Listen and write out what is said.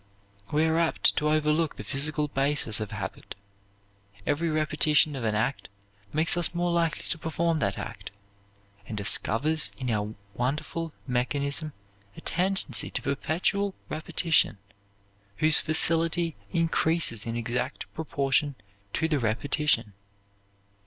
We are apt to overlook the physical basis of habit. Every repetition of an act makes us more likely to perform that act, and discovers in our wonderful mechanism a tendency to perpetual repetition, whose facility increases in exact proportion to the repetition.